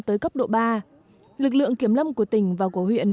tới cấp độ ba lực lượng kiểm lâm của tỉnh và của huyện